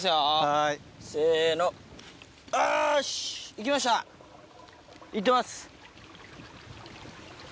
いきましたいってます。